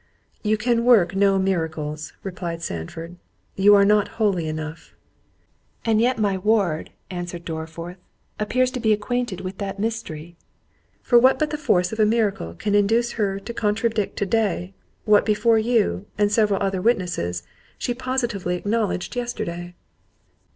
"You can work no miracles," replied Sandford, "you are not holy enough." "And yet my ward," answered Dorriforth, "appears to be acquainted with that mystery; for what but the force of a miracle can induce her to contradict to day, what before you, and several other witnesses, she positively acknowledged yesterday?"